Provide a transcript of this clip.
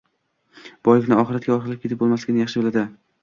boylikni oxiratga orqalab olib ketib bo‘lmasligini yaxshi biladi.